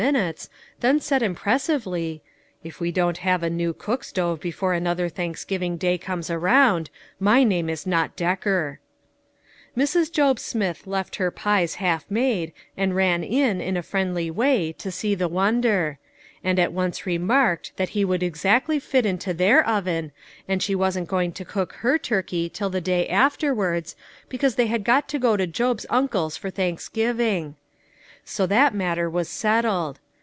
minutes, then said impressively, "If we don't have a new cook stove before another Thanks giving day comes around, my name is not Decker." Mrs. Job Smith left her pies half made, and ran in, in a friendly way, to see the wonder ; and at once remarked that he would exactly fit into their oven, and she wasn't going to cook their turkey till the day afterwards, because they had got to go to Job's uncle's for Thanks giving ; so that matter was settled.